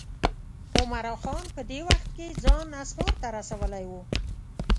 عمرا خان په دې وخت کې ځان اسمار ته رسولی و.